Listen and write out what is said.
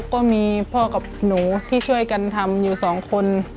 ก็มีพ่อกับหนูที่ช่วยกันทำอยู่สองคน